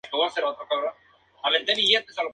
La mañana se consideraba un espacio de lectura tranquila.